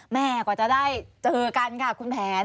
กว่าจะได้เจอกันค่ะคุณแผน